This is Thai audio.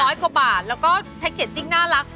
กว่าบาทแล้วก็แพ็คเกจจิ้งน่ารัก